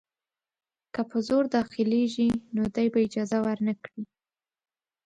که په زور داخلیږي نو دی به اجازه ورنه کړي.